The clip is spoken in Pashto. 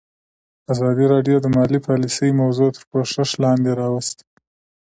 ازادي راډیو د مالي پالیسي موضوع تر پوښښ لاندې راوستې.